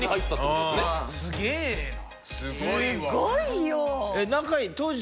すごいよ！